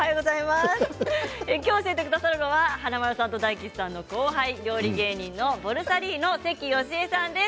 今日教えてくださるのは華丸さんと大吉さんの後輩料理芸人のボルサリーノ関好江さんです。